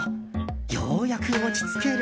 ようやく落ち着ける。